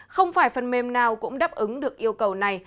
không phải phần mềm nào cũng đáp ứng được yêu cầu này